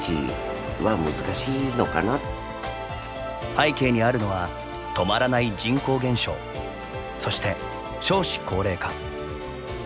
背景にあるのは止まらない人口減少そして、少子高齢化。